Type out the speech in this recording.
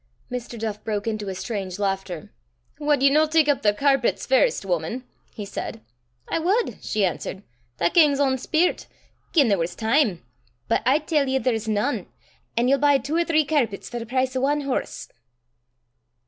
Mr. Duff broke into a strange laughter. "Wad ye no tak up the carpets first, wuman?" he said. "I wad," she answered; "that gangs ohn speirt gien there was time; but I tell ye there's nane; an' ye'll buy twa or three carpets for the price o' ae horse."